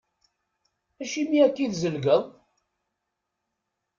Acimi akka i tzelgeḍ?